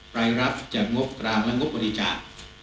รายรับจากงบกลางและงบบริจาค